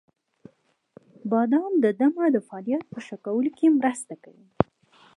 • بادام د دمه د فعالیت په ښه کولو کې مرسته کوي.